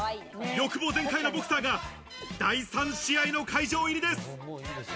欲望全開のボクサーが、第３試合の会場入りです。